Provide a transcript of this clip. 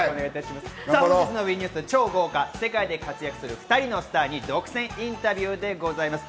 本日のＷＥニュース、超豪華世界で活躍する２人のスターに独占インタビューでございます。